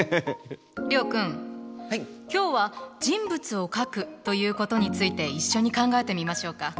諒君今日は人物を描くということについて一緒に考えてみましょうか。